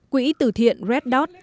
quỹ từ thiện red dot